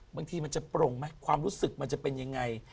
บางทีมันจะโปร่งไหมความรู้สึกมันจะเป็นยังไง